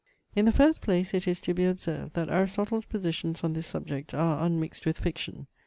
In the first place it is to be observed, that Aristotle's positions on this subject are unmixed with fiction.